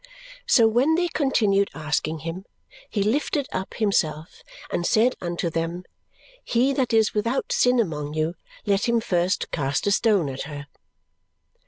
"So when they continued asking him, he lifted up himself and said unto them, 'He that is without sin among you, let him first cast a stone at her!'"